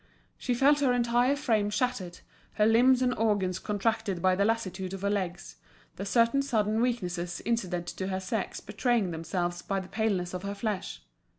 She felt her entire frame shattered, her limbs and organs contracted by the lassitude of her legs, the certain sudden weaknesses incident to her sex betraying themselves by the paleness of her flesh.